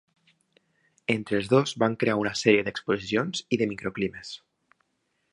Entre els dos van crear una sèrie d'exposicions i de microclimes.